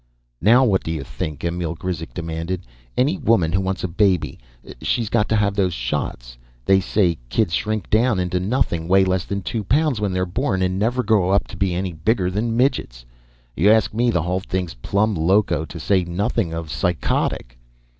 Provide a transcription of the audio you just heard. "Now what do you think?" Emil Grizek demanded. "Any woman wants a baby, she's got to have those shots. They say kids shrink down into nothing. Weigh less than two pounds when they're born, and never grow up to be any bigger than midgets. You ask me, the whole thing's plumb loco, to say nothing of psychotic."